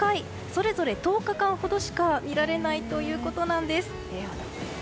それぞれ１０日間ほどしか見られないということなんです。